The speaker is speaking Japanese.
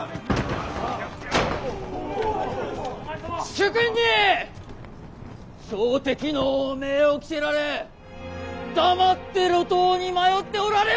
主君に朝敵の汚名を着せられ黙って路頭に迷っておられようか。